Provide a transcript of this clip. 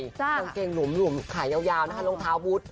น้องเกงหลุมขายยาวลงเท้าวูส